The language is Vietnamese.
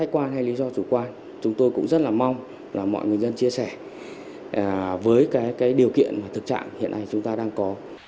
quan hay lý do chủ quan chúng tôi cũng rất là mong là mọi người dân chia sẻ với cái điều kiện thực trạng hiện nay chúng ta đang có